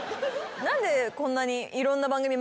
何でこんなに。